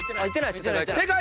正解！